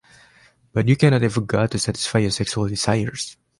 But you cannot evoke God to satisfy your sexual desires.